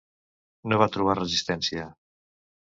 No va trobar resistència.